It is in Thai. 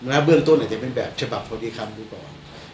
แล้วเบื้องต้นอาจจะเป็นแบบฉบับพอดีคำดูก่อน